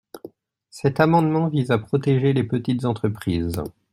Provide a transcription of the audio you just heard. Cet amendement vise à protéger les petites entreprises.